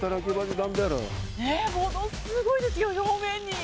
ものすごいですよ、表面に。